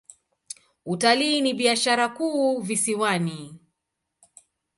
Utalii ni biashara kuu visiwani.